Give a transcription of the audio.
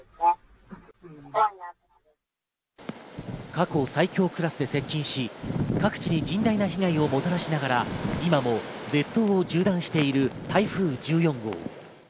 過去最強クラスで接近し、各地に甚大な被害をもたらしながら、今も列島を縦断している台風１４号。